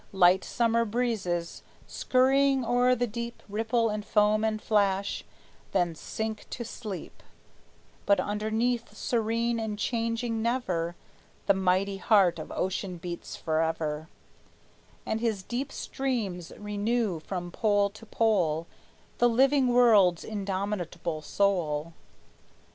Light summer breezes, skurrying o'er the deep, Ripple and foam and flash, then sink to sleep; But underneath, serene and changing never, The mighty heart of ocean beats forever, And his deep streams renew from pole to pole The living world's indomitable soul.